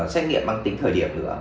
xét nghiệm mang tính thời điểm nữa